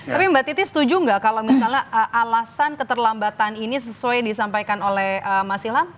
tapi mbak titi setuju nggak kalau misalnya alasan keterlambatan ini sesuai disampaikan oleh mas ilham